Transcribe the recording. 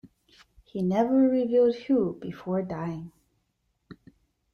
He never revealed who before dying.